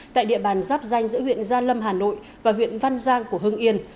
tại địa bàn giáp danh giữa huyện gia lâm hà nội và huyện văn giang của hưng yên